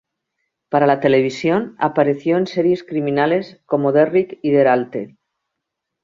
Para la televisión apareció en series criminales como "Derrick" y "Der Alte".